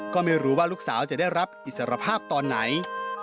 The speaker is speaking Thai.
ก็ไม่รู้ว่าลูกสาวจะได้รับอิสรภาพตอนไหน